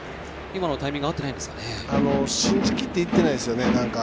今のタイミングは合っていないんでしょうか。